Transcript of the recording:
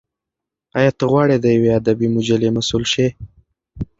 ایا ته غواړې د یوې ادبي مجلې مسول شې؟